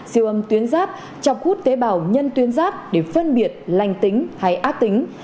siêu âm tuyên giáp chọc hút tế bào nhân tuyên giáp để phân biệt lành tính hay ác tính